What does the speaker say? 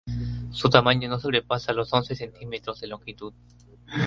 Su tamaño no sobrepasa los once centímetros de longitud.